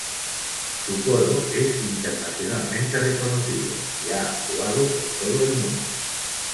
Su coro es internacionalmente reconocido y ha actuado por todo el mundo.